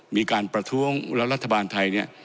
มีการประท้วงแล้วรัฐบาลไทยเนี่ย